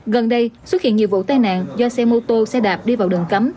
gần đây xuất hiện nhiều vụ tai nạn do xe mô tô xe đạp đi vào đường cấm